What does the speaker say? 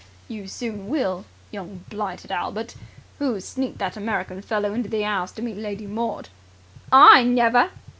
"You soon will, young blighted Albert! Who sneaked that American fellow into the 'ouse to meet Lady Maud?" "I never!"